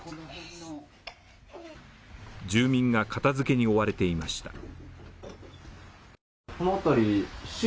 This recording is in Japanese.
住民が、片づけに追われていました。